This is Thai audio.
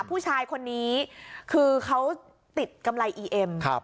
ผู้ชายคนนี้คือเขาติดกำไรอีเอ็ม